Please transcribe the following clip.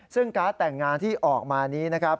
ซึ่งการ์ดแต่งงานที่ออกมานี้นะครับ